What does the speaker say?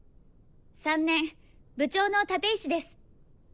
３年部長の立石です。